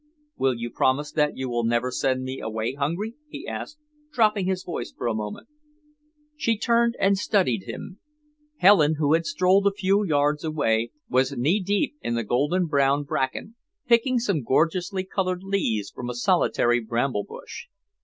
"Will you promise that you will never send me away hungry?" he asked, dropping his voice for a moment. She turned and studied him. Helen, who had strolled a few yards away, was knee deep in the golden brown bracken, picking some gorgeously coloured leaves from a solitary bramble bush.